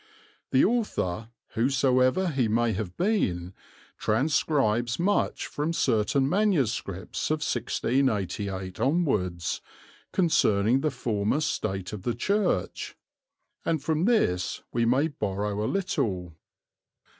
The author, whosoever he may have been, transcribes much from certain MSS. of 1688 onwards concerning the former state of the church, and from this we may borrow a little.